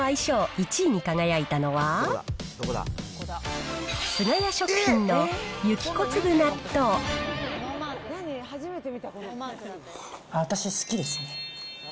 １位に輝いたのは、私、好きですね。